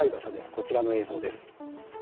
こちらの映像です。